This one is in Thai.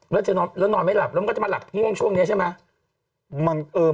แล้วจะนอนแล้วนอนไม่หลับแล้วมันก็จะมาหลับง่วงช่วงนี้ใช่ไหม